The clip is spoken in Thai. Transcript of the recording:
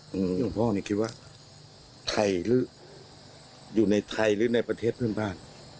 หลวงพ่อคิดว่าไทยหรืออยู่ในไทยหรือในประเทศเพื่อนบ้าน